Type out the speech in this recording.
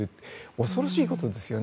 恐ろしいことですよね。